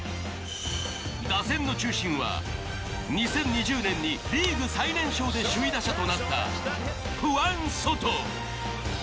打線の中心は２０２０年にリーグ最年少で首位打者となったフアン・ソト。